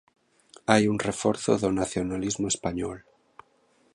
Hai un reforzo do nacionalismo español...